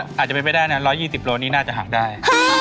อาจจะไม่ได้นะ๑๒๐กิโลนินาทีจะหักได้